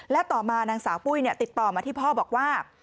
และต่อมานางสาวปุ้ยติดต่อมาที่พ่อบอกว่า